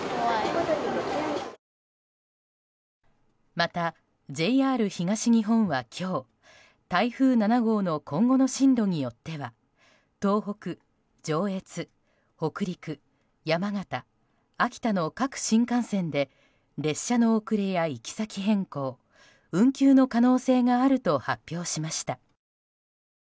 また、ＪＲ東日本は今日台風７号の今後の進路によっては東北、上越、北陸、山形秋田の各新幹線で列車の遅れや行き先変更、運休の可能性があると発表しました。